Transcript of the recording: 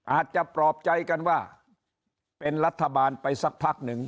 ปลอบใจกันว่าเป็นรัฐบาลไปสักพักหนึ่ง